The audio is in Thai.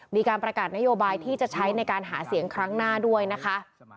มีการประกาศนโยบายที่จะใช้ในการหาเสียงครั้งหน้าด้วยนะคะ